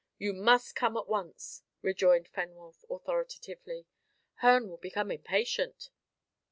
"You must come at once," rejoined Fenwolf authoritatively. "Herne will become impatient."